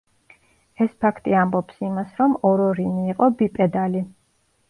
ეს ფაქტი ამბობს იმას, რომ ორორინი იყო ბიპედალი.